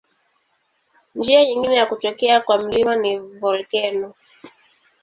Njia nyingine ya kutokea kwa milima ni volkeno.